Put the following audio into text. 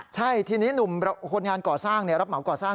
ใช่ทีนี้หนุ่มคนงานก่อสร้างรับเหมาก่อสร้าง